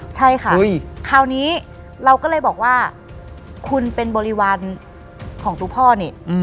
ใช่ค่ะคราวนี้เราก็เลยบอกว่าคุณเป็นบริวารของตัวพ่อนี่